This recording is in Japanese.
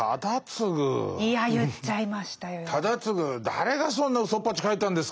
「誰がそんなうそっぱち書いたんですか」